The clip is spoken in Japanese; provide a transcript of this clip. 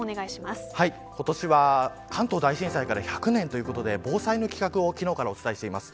今年は関東大震災から１００年ということで防災の企画を昨日からお伝えしています。